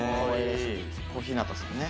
小日向さんね。